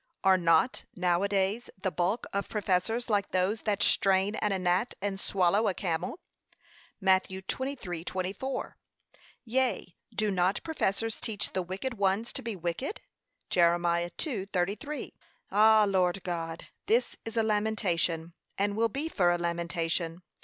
Are not, now a days, the bulk of professors like those that 'strain at a gnat and swallow a camel?' (Matt. 23:24) Yea, do not professors teach the wicked ones to be wicked? (Jer. 2:33) Ah! Lord God, this is a lamentation, and will be for a lamentation.